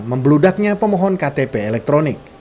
membludaknya pemohon ktp elektronik